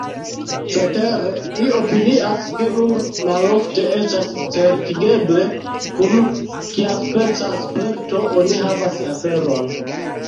Cetere, li opinias, ke nur malofte estas certigeble, kun kiaspeca spirito oni havas aferon.